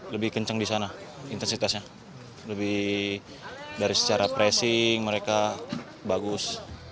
lebih kencang di sana intensitasnya lebih dari secara pressing mereka bagus